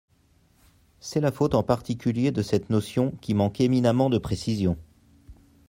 C’est la faute en particulier de cette notion qui manque éminemment de précision.